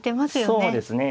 そうですね。